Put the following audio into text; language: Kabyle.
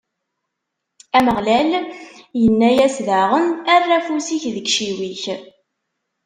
Ameɣlal inna-as daɣen: Err afus-ik deg iciwi-k.